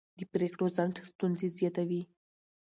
د پرېکړو ځنډ ستونزې زیاتوي